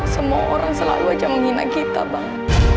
semua orang selalu aja menghina kita bang